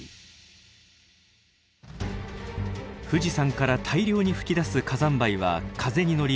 富士山から大量に噴き出す火山灰は風に乗り